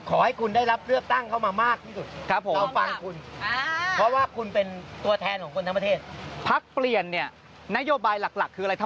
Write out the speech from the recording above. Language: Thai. ตอนนี้ที่เราเลือกตั้งกันเราก็อยากเปลี่ยนเปลี่ยนอะไรฮะถูกไหม